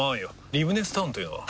リブネスタウンというのは？